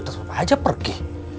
terus apa aja pergi